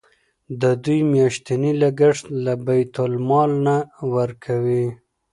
د دوی میاشتنی لګښت له بیت المال نه ورکوئ.